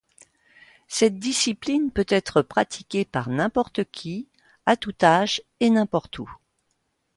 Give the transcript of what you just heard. Cette discipline peut être pratiquée par n'importe qui, à tout âge et n'importe où.